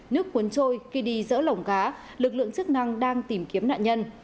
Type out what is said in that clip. nước cuốn trôi khi đi dỡ lỏng cá lực lượng chức năng đang tìm kiếm nạn nhân